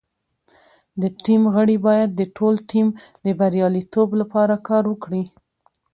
د ټیم غړي باید د ټول ټیم د بریالیتوب لپاره کار وکړي.